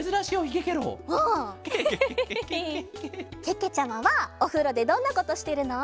けけちゃまはおふろでどんなことしてるの？